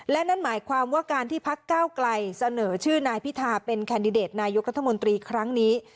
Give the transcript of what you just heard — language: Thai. และนั่นหมายความว่าการที่พักเก้าไกลเสนอชื่อนายพิธาเป็นแคนดิเดตนายกรัฐมนตรีครั้งนี้